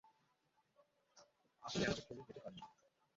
আপনি এভাবে চলে যেতে পারেন না!